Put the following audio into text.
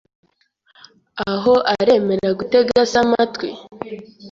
aho aremera gutega se amatwi